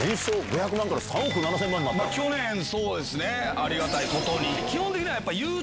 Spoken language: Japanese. まぁ去年そうですねありがたいことに。